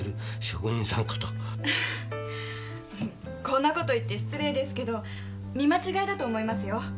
こんな事言って失礼ですけど見間違いだと思いますよ。